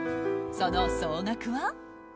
その総額は？